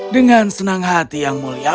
dengan senang hati yang mulia